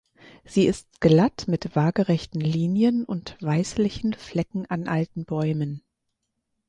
Sie ist glatt mit waagerechten Linien und weißlichen Flecken an alten Bäumen.